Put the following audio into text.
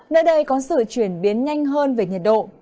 nơi đây có sự chuyển biến nhanh hơn về nhiệt độ